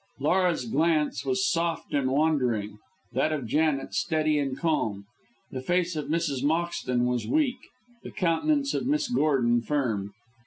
Laura's glance was soft and wandering, that of Janet steady and calm; the face of Mrs. Moxton was weak, the countenance of Miss Gordon firm.